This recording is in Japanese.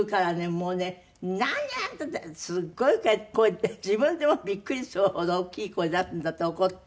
もうね「なんであんた！」ってすごい声で自分でもびっくりするほど大きい声出すんだって怒って。